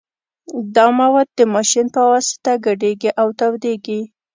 دا مواد د ماشین په واسطه ګډیږي او تودیږي